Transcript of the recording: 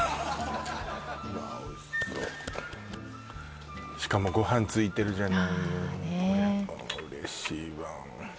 うわおいしそうしかもご飯ついてるじゃない嬉しいわ